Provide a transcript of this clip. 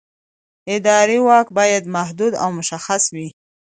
اداري واک باید محدود او مشخص وي.